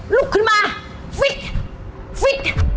ลุกขึ้นมาฟิตฟิต